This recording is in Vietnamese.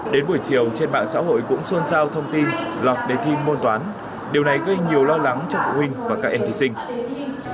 đến buổi chiều trên mạng xã hội cũng xôn xao thông tin lọt đề thi môn toán điều này gây nhiều lo lắng cho phụ huynh và các em thí sinh